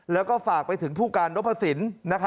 แล้วก็ฝากไปถึงผู้การรับภษิต